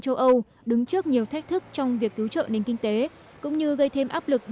châu âu đứng trước nhiều thách thức trong việc cứu trợ nền kinh tế cũng như gây thêm áp lực